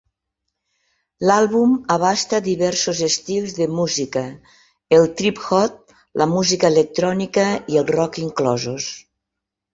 L'àlbum abasta diversos estils de música, el trip-hop, la música electrònica i el rock inclosos.